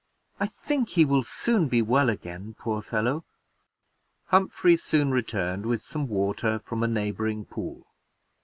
I think he will soon be well again, poor fellow." Humphrey soon returned with some water from a neighboring pool.